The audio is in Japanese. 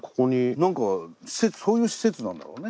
何かそういう施設なんだろうね。